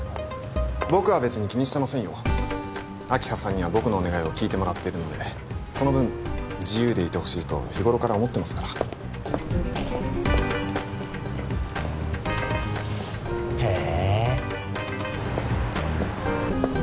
僕は別に気にしてませんよ明葉さんには僕のお願いをきいてもらってるのでその分自由でいてほしいと日頃から思ってますからへえ